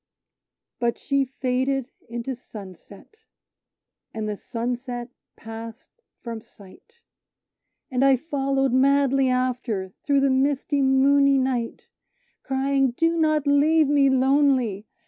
But she faded into sunset, and the sunset passed from sight; And I followed madly after, through the misty, moony night, Crying, "do not leave me lonely!